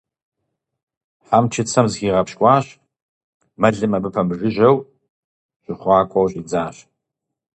Хьэм чыцэм зыхигъэпщкӀуащ, мэлым абы пэмыжыжьэу щыхъуакӀуэу щӀидзащ.